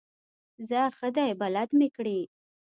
ځه ښه دی بلد مې کړې.